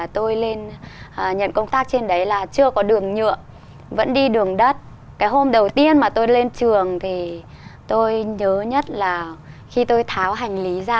từ xa xôi đến đây vượt nhiều khó khăn